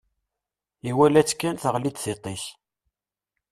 Iwala-tt kan, teɣli-d tiṭ-is.